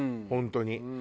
本当に。